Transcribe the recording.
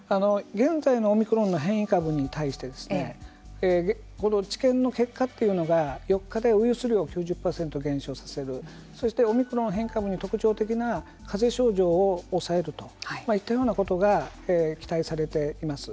現在のオミクロンの変異株に対して治験の結果というのが４日でウイルス量９％減少させるそしてオミクロン変異株の特徴的なかぜ症状を抑えるといったようなことが期待されています。